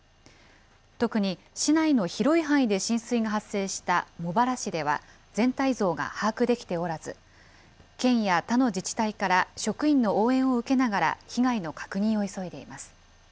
特に市内の広い範囲で浸水が発生した茂原市では、全体像が把握できておらず、県や他の自治体から職員の応援を受けながら、被害の確認を急いでいます。